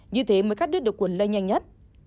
như thế mới khắc đứt được quần lây nhanh nhất